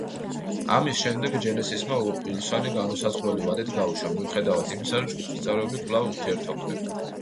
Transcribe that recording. ამის შემდეგ ჯენესისმა უილსონი განუსაზღვრელი ვადით გაუშვა, მიუხედავად იმისა, რომ ჯგუფის წევრები კვლავ ურთიერთობდნენ.